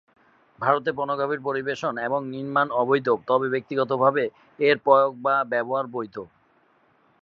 ভারতে পর্নোগ্রাফি পরিবেশন এবং নির্মাণ অবৈধ; তবে ব্যক্তিগতভাবে এর প্রয়োগ বা ব্যবহার বৈধ।